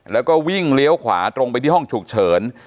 แล้วก็วิ่งเลี้ยวขวาตรงไปที่ห้องฉุกเฉิน